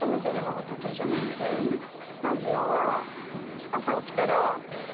ラジオは。